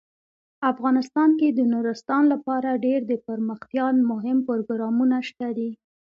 افغانستان کې د نورستان لپاره ډیر دپرمختیا مهم پروګرامونه شته دي.